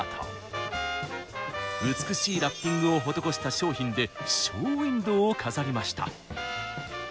美しいラッピングを施した商品でショーウインドーを飾りました。